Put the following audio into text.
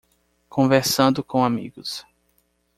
Conversando com amigos